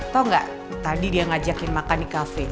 tau ga tadi dia ngajakin makan di cafe